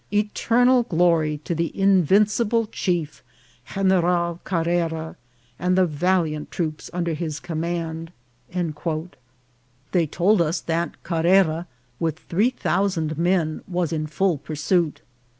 Eternal glory to the In vincible Chief GENERAL CARRERA, and the valiant troops under his command." They told us that Carrera, with three thousand men, was in full pursuit.